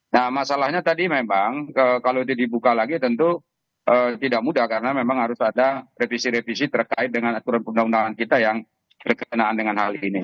nah masalahnya tadi memang kalau itu dibuka lagi tentu tidak mudah karena memang harus ada revisi revisi terkait dengan aturan perundang undangan kita yang berkenaan dengan hal ini